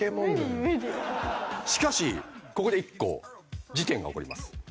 しかしここで１個事件が起こります。